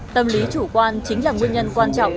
tâm lý chủ quan chính là nguyên nhân quan trọng